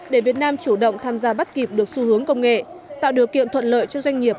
để việt nam chủ động tham gia bắt kịp được xu hướng công nghệ tạo điều kiện thuận lợi cho doanh nghiệp